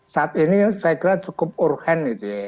saat ini saya kira cukup urgen